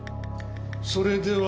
それでは。